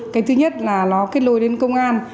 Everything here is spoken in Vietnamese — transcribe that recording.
cái thứ nhất là nó kết lối đến công an